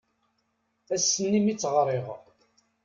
Ass-n mi tt-ɣriɣ.